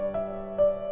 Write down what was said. terima kasih yoko